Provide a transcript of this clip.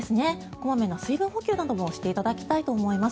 小まめな水分補給などをしていただきたいと思います。